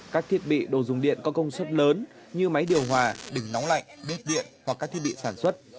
các thiết bị đồ dùng điện có công suất lớn như máy điều hòa đỉnh nóng lạnh bướt điện hoặc các thiết bị sản xuất